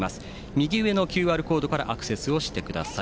右上のＱＲコードからアクセスしてください。